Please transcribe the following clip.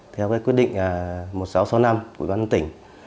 theo cái quyết định một nghìn sáu trăm sáu mươi năm của ủy ban tỉnh